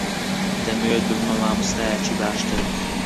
دەمەوێت ببمە مامۆستایەکی باشتر.